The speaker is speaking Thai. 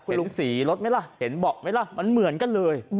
คุณลุงศรีรถไหมล่ะเห็นเบาะไหมล่ะมันเหมือนกันเลย